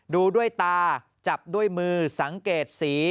ดูด้วยตาจับด้วยมือสังเกตสี